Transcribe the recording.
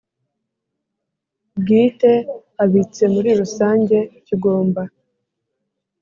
bwite abitse muri rusange kigomba